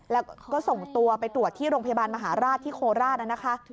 แล้วก็ส่งตัวไปตรวจที่โรงพยาบาลมหาราชที่โคราชนะคะ